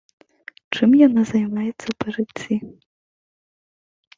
Чым яна займаецца па жыцці?